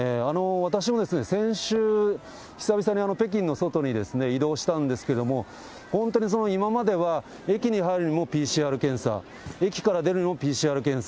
私も先週、久々に北京の外に移動したんですけども、本当に今までは駅に入るにもＰＣＲ検査、駅から出るのもＰＣＲ検査。